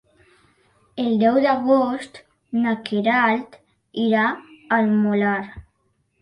El deu d'agost na Queralt irà al Molar.